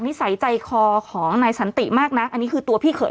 นิสัยใจคอของนายสันติมากนะอันนี้คือตัวพี่เขย